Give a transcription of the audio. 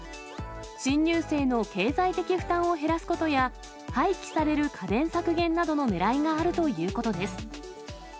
新入生の経済的負担を減らすことや、廃棄される家電削減などのねらいがあるということです。